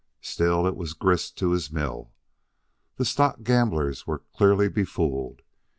Still, it was all grist to his mill. The stock gamblers were clearly befooled.